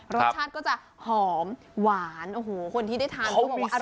รสชาติก็จะหอมหวานคนที่ได้ทานก็บอกว่าอร่อยมาก